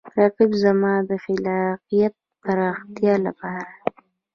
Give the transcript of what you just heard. رقیب زما د خلاقیت د پراختیا لپاره دی